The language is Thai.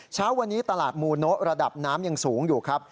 เช้าวันนี้ตลาดมูโนะระดับน้ำยังสูงอยู่ครับ